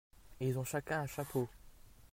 Ils ont chacun un chapeau.